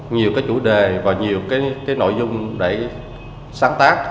nhiều cái chủ đề và nhiều cái nội dung để sáng tác